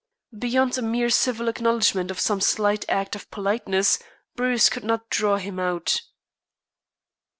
Beyond a mere civil acknowledgement of some slight act of politeness, Bruce could not draw him out.